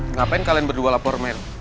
ngapain kalian berdua lapor men